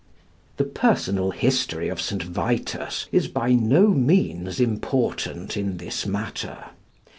The personal history of St. Vitus is by no means important in this matter.